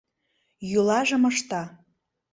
Йӱлажым ышта.